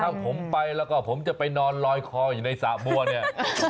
ถ้าผมไปแล้วก็ผมจะไปนอนลอยคออยู่ในสระบัวเนี่ย